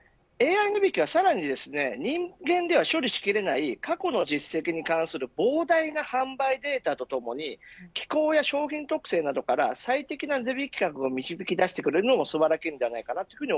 ＡＩ値引きはさらに人間では処理しきれない過去の実績に関する膨大な販売データとともに気候や商品特性などから最適な値引き額を導きだしてくれるのも素晴らしいです。